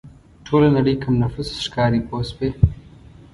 ټوله نړۍ کم نفوسه ښکاري پوه شوې!.